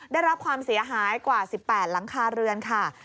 ได้รับความเสียหายกว่า๑๘หลังคาเรือนค่ะ